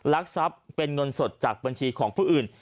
ลักทรัพย์เป็นเงินสดจากบัญชีของผู้อื่น